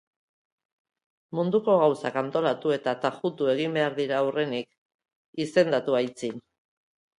Munduko gauzak antolatu eta tajutu egin behar dira aurrenik, izendatu aitzin.